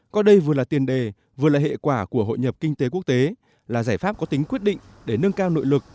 coi đây vừa là tiền đề vừa là hệ quả của hội nhập kinh tế quốc tế là giải pháp có tính quyết định để nâng cao nội lực